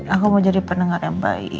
aku mau jadi pendengar yang baik